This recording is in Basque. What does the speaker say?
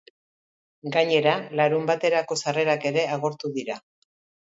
Gainera, larunbaterako sarrerak ere agortu dira.